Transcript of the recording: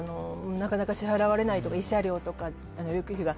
なかなか支払われないとか慰謝料とか養育費が。